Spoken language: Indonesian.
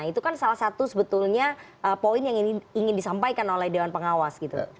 itu kan salah satu sebetulnya poin yang ingin disampaikan oleh dewan pengawas gitu